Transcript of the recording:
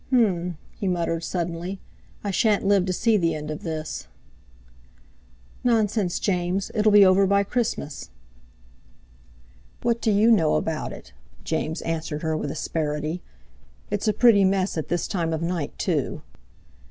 "H'm!" he muttered suddenly, "I shan't live to see the end of this." "Nonsense, James! It'll be over by Christmas." "What do you know about it?" James answered her with asperity. "It's a pretty mess at this time of night, too!"